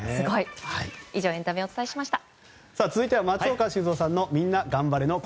以上、エンタメお伝えしました。